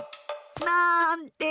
なんて。